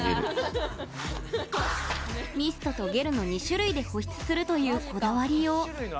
ミストとゲルの２種類で保湿するという、こだわりよう。